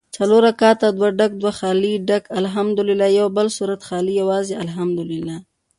څلور رکعته دوه ډک دوه خالي ډک الحمدوالله او یوبل سورت خالي یوازي الحمدوالله